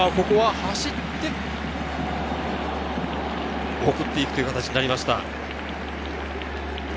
走って、送っていくという形になりました。